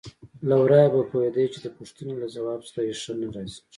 له ورايه به پوهېدې چې د پوښتنې له ځواب څخه یې ښه نه راځي.